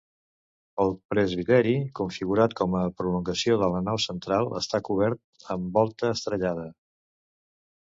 El presbiteri, configurat com a prolongació de la nau central, està cobert amb volta estrellada.